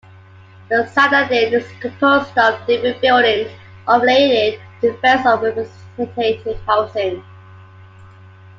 The citadel is composed of different buildings all related to defence or representative housing.